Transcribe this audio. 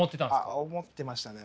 あっ思ってましたね。